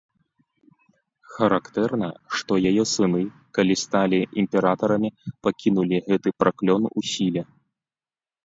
Характэрна, што яе сыны, калі сталі імператарамі, пакінулі гэты праклён у сіле.